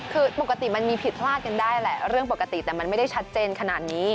คือปกติมันมีผิดพลาดกันได้แหละเรื่องปกติแต่มันไม่ได้ชัดเจนขนาดนี้